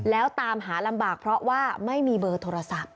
แล้วตามหาลำบากเพราะว่าไม่มีเบอร์โทรศัพท์